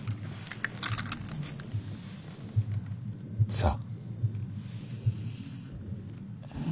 さあ。